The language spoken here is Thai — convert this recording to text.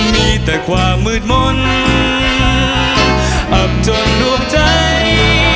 มีแต่ความมืดมนต์อับจนดวงใจ